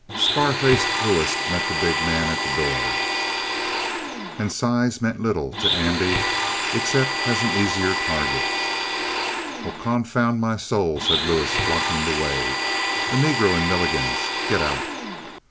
Scar faced Lewis met the big man at the door. And size meant little to Andy, except an easier target. "Well, confound my soul," said Lewis, blocking the way. "A Negro in Milligan's? Get out!"